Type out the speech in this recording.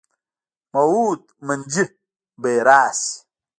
موعود منجي به یې راشي.